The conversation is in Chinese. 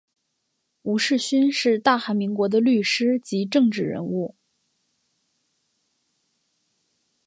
吴世勋是大韩民国的律师及政治人物。